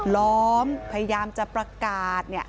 ล้อมพยายามจะประกาศ